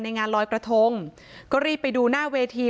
งานลอยกระทงก็รีบไปดูหน้าเวที